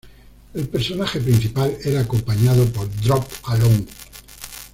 El personaje principal era acompañado por Droop-a-Long.